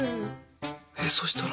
えそしたら？